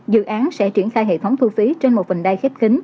dự án sẽ triển khai hệ thống thu phí trên một vành đai khép kính